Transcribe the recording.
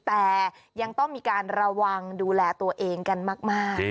แต่ยังต้องมีการระวังดูแลตัวเองกันมาก